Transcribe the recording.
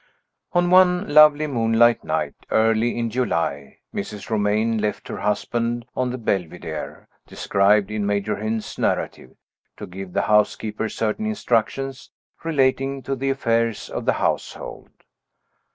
On one lovely moonlight night, early in July, Mrs. Romayne left her husband on the Belvidere, described in Major Hynd's narrative, to give the housekeeper certain instructions relating to the affairs of the household.